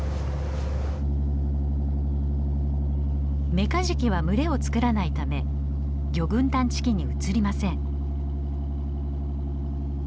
メカジキは群れを作らないため魚群探知機に映りません。